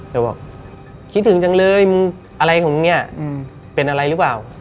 แล้วบอกคิดถึงจังเลยอะไรของเนี่ยเป็นอะไรหรือเปล่า